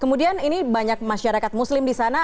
kemudian ini banyak masyarakat muslim di sana